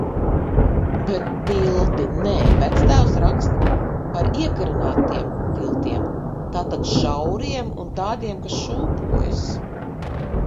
Bet tilti. Nē, vectēvs raksta par iekarinātiem tiltiem. Tātad šauriem un tādiem, kas šūpojas.